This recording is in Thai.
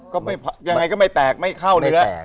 ก็ยังไงก็ไม่แตกไม่เข้าเนื้อไม่ระทาย